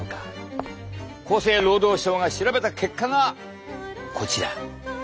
厚生労働省が調べた結果がこちら。